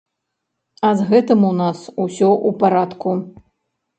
А з гэтым у нас усё ў парадку.